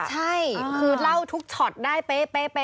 ใช่คือเล่าทุกช็อตได้เป๊ะ